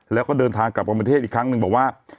แล้วก็เดินทางกลับประเทศอีกครั้งหนึ่งบอกว่า